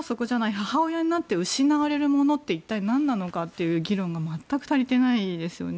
母親になって失われるものって一体なんなのかという議論が全く足りていないですよね。